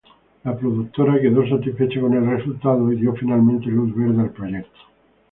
Disney quedó satisfecha con el resultado y dio finalmente luz verde al proyecto.